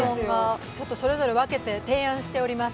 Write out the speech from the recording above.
それぞれ分けて提案しております。